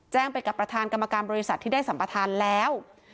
ไปกับประธานกรรมการบริษัทที่ได้สัมประธานแล้ว